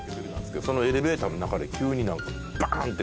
そのエレベーターの中で急にバーンって。